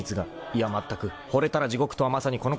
いやまったくほれたら地獄とはまさにこのことである。